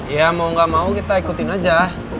ya mau gak mau kita ikutin aja